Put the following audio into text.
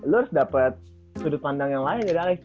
lo harus dapet sudut pandang yang lain dari alex